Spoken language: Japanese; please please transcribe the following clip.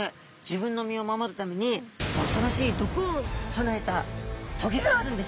自分の身を守るためにおそろしい毒を備えたトゲがあるんですね。